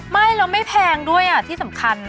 ไม่แล้วไม่แพงด้วยที่สำคัญนะ